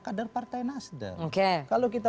kader partai nasdaq kalau kita